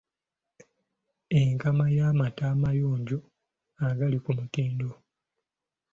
Enkama y’amata amayonjo agali ku mutindo.